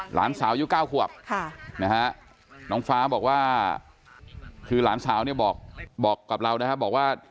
หลานสาวยุค๙ขวบนะฮะน้องฟ้าบอกว่าคือหลานสาวเนี่ยบอกกับเรานะครับบอกว่า